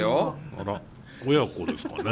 あら親子ですかね？